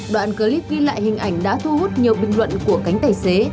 đoạn clip ghi lại hình ảnh đã thu hút nhiều bình luận của cánh tài xế